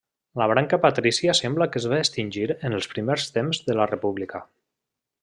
La branca patrícia sembla que es va extingir en els primers temps de la República.